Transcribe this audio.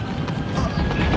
あっ！